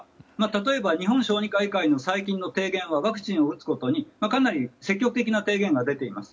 例えば、日本小児科医会の最近の提言はワクチンを打つことにかなり積極的な提言が出ています。